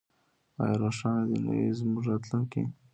آیا روښانه دې نه وي زموږ راتلونکی؟